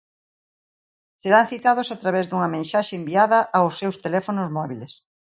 Serán citados a través dunha mensaxe enviada aos seus teléfonos móbiles.